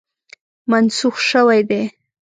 منسوخ شوی دی.